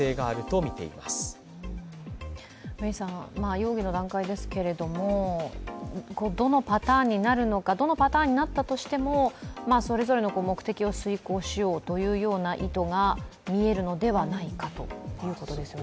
容疑の段階ですけども、どのパターンになるのか、どのパターンになったとしてもそれぞれの目的を遂行しようというような意図が見えるのではないかということですよね